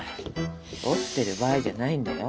折ってる場合じゃないんだよ。